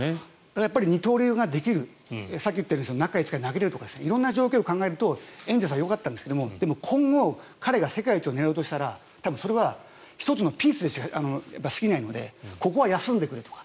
やっぱり二刀流ができるさっき言ったように中５日で投げれるとか色んな条件を考えるとエンゼルスはよかったんですがでも今後彼が世界一を狙うとしたら多分それは１つのピースにしか過ぎないのでここは休んでくれとか